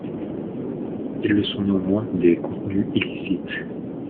Ils le sont néanmoins des contenus illicites.